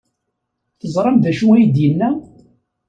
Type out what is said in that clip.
Teẓram d acu ay d-yenna?